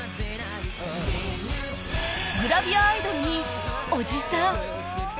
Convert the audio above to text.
グラビアアイドルにおじさん